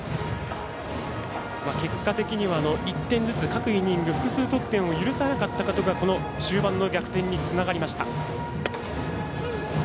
結果的には１点ずつ各イニング複数得点を許さなかったのが中盤の逆転につながりました。